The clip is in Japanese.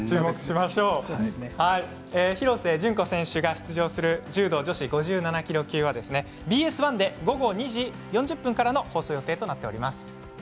廣瀬順子選手が出場する柔道女子５７キロ級はＢＳ１で午後２時４０分からの放送予定です。